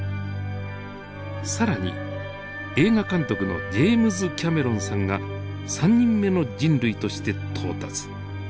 更に映画監督のジェームズ・キャメロンさんが３人目の人類として到達。